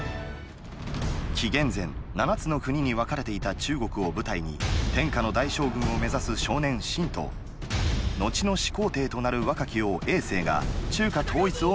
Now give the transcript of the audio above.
紀元前七つの国に分かれていた中国を舞台に「天下の大将軍」を目指す少年・信と後の始皇帝となる若き王政が「中華統一」を目指す。